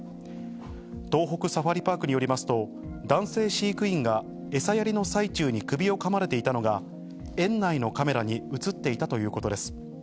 東北サファリパークによりますと、男性飼育員が餌やりの最中に首をかまれていたのが園内のカメラに写っていたということです。